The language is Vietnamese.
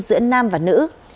giữa nam và nữ